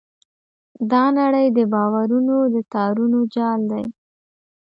دا نړۍ د باورونو د تارونو جال دی.